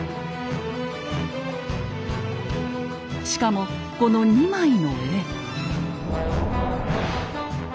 しかもこの２枚の絵。